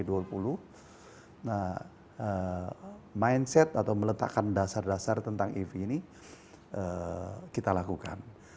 nah mindset atau meletakkan dasar dasar tentang ev ini kita lakukan